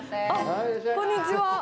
こんにちは。